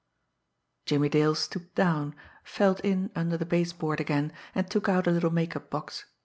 Jimmie Dale stooped down, felt in under the baseboard again, and took out a little make up box.